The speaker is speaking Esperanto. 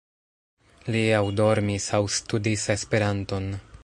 Li aŭ dormis aŭ studis Esperanton.